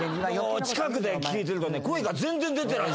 近くで聴いてるとね声が全然出てない。